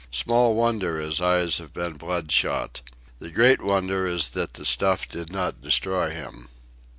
Small wonder his eyes have been bloodshot. The great wonder is that the stuff did not destroy him.